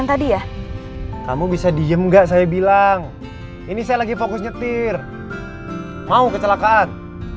tadi ya kamu bisa diem enggak saya bilang ini saya lagi fokus nyetir mau kecelakaan